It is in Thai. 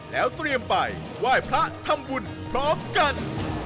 แล้วเตรียมไปไหว้พระทำบุญพร้อมกัน